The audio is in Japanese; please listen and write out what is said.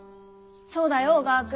そうだよ小川君。